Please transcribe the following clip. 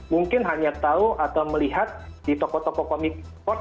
mungkin hanya tahu atau melihat di toko toko komik port